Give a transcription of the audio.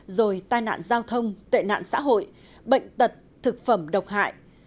rồi tai nạn giao thông tệ nạn xã hội bệnh tật thực phẩm độc hại